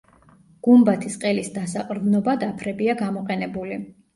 გუმბათის ყელის დასაყრდნობად აფრებია გამოყენებული.